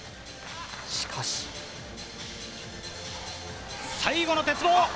しかし。最後の鉄棒。